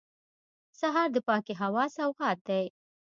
سهار د پاکې هوا سوغات دی.